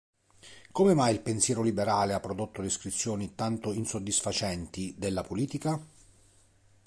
Come mai il pensiero liberale ha prodotto descrizioni tanto insoddisfacenti della politica?